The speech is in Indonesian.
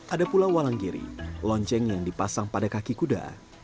ada pula walanggiri lonceng yang dipasang pada kaki kuda